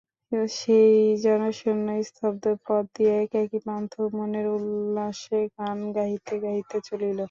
সেই জনশূন্য স্তব্ধ পথ দিয়া একাকী পান্থ মনের উল্লাসে গান গাহিতে গাহিতে চলিল।